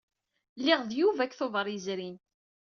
Lliɣ d Yuba deg Tubeṛ yezrin.